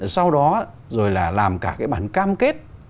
sau đó rồi là làm cả cái bản cam kết